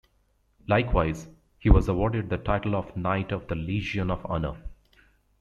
Likewise, he was awarded the title of Knight of the Legion of Honor.